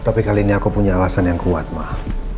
tapi kali ini aku punya alasan yang kuat mah